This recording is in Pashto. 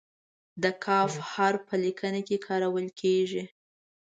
د "ک" حرف په لیکنه کې کارول کیږي.